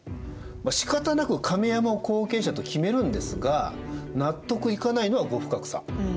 しかたなく亀山を後継者と決めるんですが納得いかないのは後深草。